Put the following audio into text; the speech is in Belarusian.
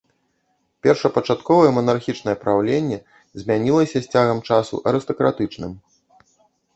Першапачатковае манархічнае праўленне замянілася з цягам часу арыстакратычным.